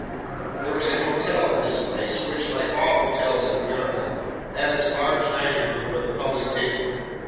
There was an hotel in this place, which, like all hotels in America, had its large dining room for the public table.